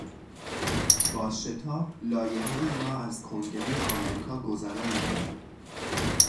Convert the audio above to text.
با شتاب لایحهای را از کنگرهی آمریکا گذراندن